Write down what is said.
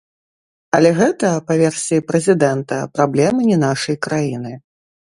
Але гэта, па версіі прэзідэнта, праблемы не нашай краіны.